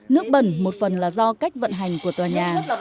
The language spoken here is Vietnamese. nước bẩn một phần là do cách vận hành của tòa nhà